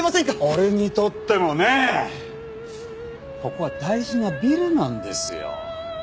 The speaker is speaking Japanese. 俺にとってもねここは大事なビルなんですよ。